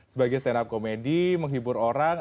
sebagai stand up komedi menghibur orang